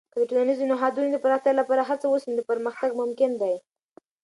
که د ټولنیزو نهادونو د پراختیا لپاره هڅه وسي، نو پرمختګ ممکن دی.